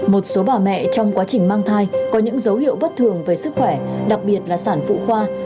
một số bà mẹ trong quá trình mang thai có những dấu hiệu bất thường về sức khỏe đặc biệt là sản phụ khoa